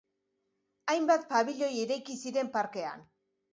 Hainbat pabiloi eraiki ziren parkean.